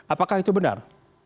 apakah itu benar